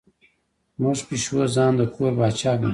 زموږ پیشو ځان د کور پاچا ګڼي.